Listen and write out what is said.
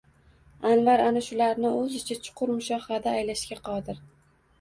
Anvar ana shularni o’zicha chuqur mushohada aylashga qodir